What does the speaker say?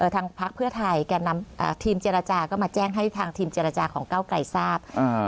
ทางพักเพื่อไทยแก่นำทีมเจรจาก็มาแจ้งให้ทางทีมเจรจาของเก้าไกลทราบ